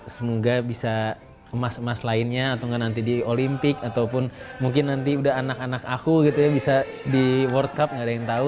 semoga bisa emas emas lainnya atau nggak nanti di olimpik ataupun mungkin nanti udah anak anak aku gitu ya bisa di world cup nggak ada yang tahu